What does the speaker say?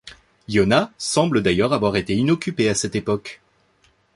Iona semble d'allieurs avoir été inoccupée à cette époque.